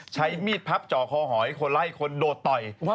ใช้มีดพับจ่อคอหอยคนไล่คนโดดต่อย